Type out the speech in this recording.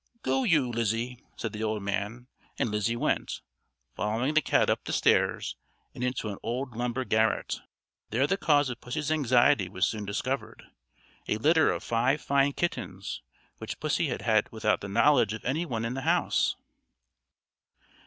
"Go you, Lizzie," said the old man; and Lizzie went, following the cat up the stairs and into an old lumber garret. There the cause of pussy's anxiety was soon discovered: a litter of five fine kittens, which pussy had had without the knowledge of any one in the house.